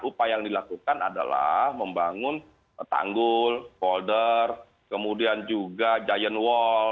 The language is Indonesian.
upaya yang dilakukan adalah membangun tanggul folder kemudian juga giant wall